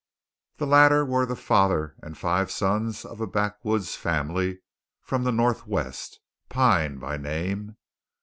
The latter were the father and five sons of a backwoods family from the northwest Pine, by name.